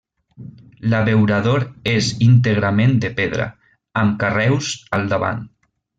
L'abeurador és íntegrament de pedra, amb carreus al davant.